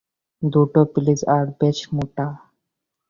দুটো প্লিজ, আর বেশ মোটা।